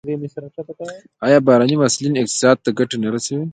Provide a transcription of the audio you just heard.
آیا بهرني محصلین اقتصاد ته ګټه نه رسوي؟